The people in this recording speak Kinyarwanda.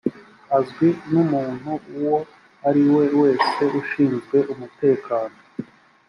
azwi n’umuntu uwo ari we wese ushinzwe umutekano